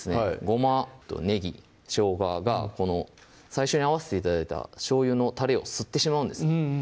ごまとねぎ・しょうがが最初に合わせて頂いたしょうゆのたれを吸ってしまうんです